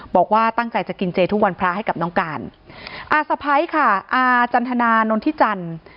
บอกว่าตั้งใจจะกินเจทุกวันพระให้กับน้องการอาสะพ้ายค่ะอาจันทนานนทิจันทร์